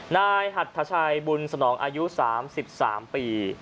นายหัดทชัยบุญสนองอายุ๓๓ปี